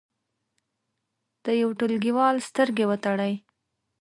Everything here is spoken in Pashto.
د یو ټولګیوال سترګې وتړئ.